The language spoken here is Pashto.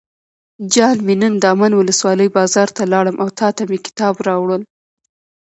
جان مې نن دامن ولسوالۍ بازار ته لاړم او تاته مې کتاب راوړل.